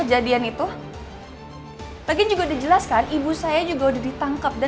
dari keterangan dua saksi yang baru kami terima